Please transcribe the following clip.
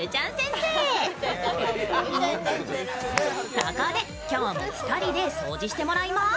そこで今日も２人で掃除してもらいます。